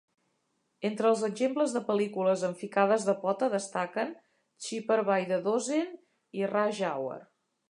Entre els exemples de pel·lícules amb ficades de pota destaquen "Cheaper By the Dozen" i "Rush Hour".